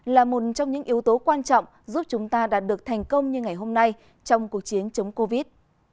là một trong những yếu tố quan trọng giúp chúng ta đạt được thành công như ngày hôm nay trong cuộc chiến chống covid